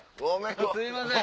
すいません。